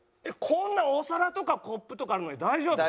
こんなお皿とかコップとかあるのに大丈夫？